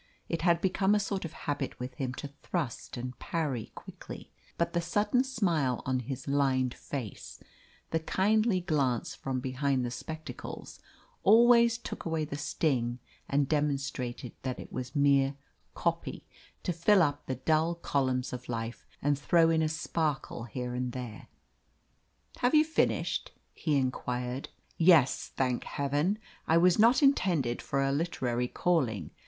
It had become a sort of habit with him to thrust and parry quickly; but the sudden smile on his lined face, the kindly glance from behind the spectacles, always took away the sting and demonstrated that it was mere "copy," to fill up the dull columns of life and throw in a sparkle here and there. "Have you finished?" he inquired. "Yes, thank Heaven! I was not intended for a literary calling.